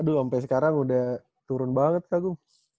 aduh sampai sekarang udah turun banget kagung